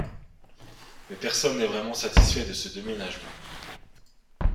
Mais personne n'est vraiment satisfait de ce déménagement.